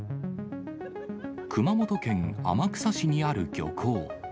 熊本県天草市にある漁港。